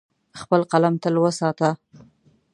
خپل قلم تل وساته.